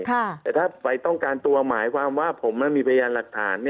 แต่ถ้าไปต้องการตัวหมายความว่าผมไม่มีพยานหลักฐาน